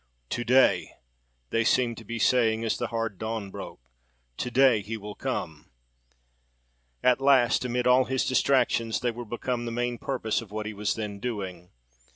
"To day!"—they seemed to be saying as the hard dawn broke,—"To day, he will come!" At last, amid all his distractions, they were become the main purpose of what he was then doing.